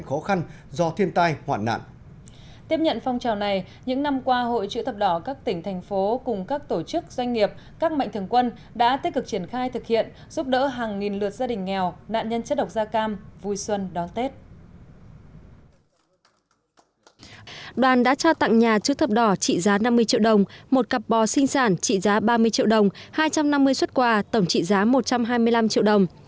đoàn đã trao tặng nhà trước thập đỏ trị giá năm mươi triệu đồng một cặp bò sinh sản trị giá ba mươi triệu đồng hai trăm năm mươi xuất quà tổng trị giá một trăm hai mươi năm triệu đồng